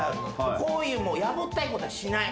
こういうやぼったいことはしない。